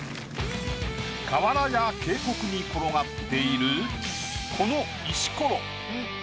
河原や渓谷に転がっているこの石ころ。